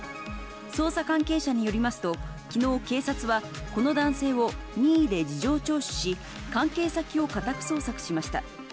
捜査関係者によりますと、きのう、警察は、この男性を任意で事情聴取し、関係先を家宅捜索しました。